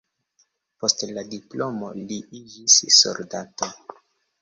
Post la diplomo li iĝis soldato.